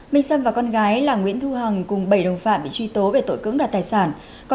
minh sâm và con gái là nguyễn thu hằng cùng bảy đồng phạm bị truy tố về tội cưỡng đoạt tài sản